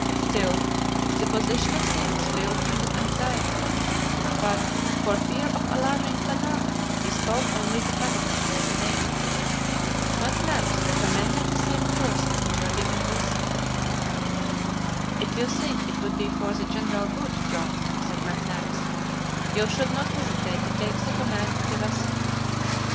Still, the position of things filled him with anxiety; but, for fear of alarming Glenarvan, he spoke only to Paganel or the Major. McNabbs recommended the same course as Mulrady and Wilson. "If you think it would be for the general good, John," said McNabbs, "you should not hesitate to take the command of the vessel.